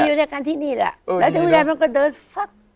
อยู่ด้วยกันที่นี่แหละแล้วก็เดินฟัก